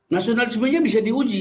nasionalismenya bisa diuji